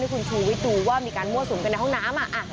คุณชูวิทย์ดูว่ามีการมั่วสุมกันในห้องน้ำ